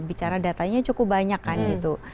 bicara datanya cukup banyak kan gitu